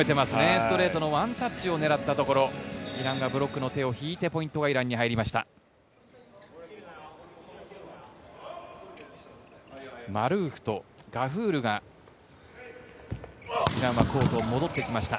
ストレートのワンタッチを狙ったところ、イランがブロックの手を引いてポイントはイランに入りました。